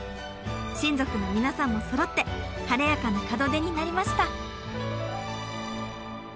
親族の皆さんもそろって晴れやかな門出になりました！